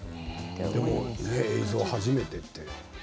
でも映像は初めてって。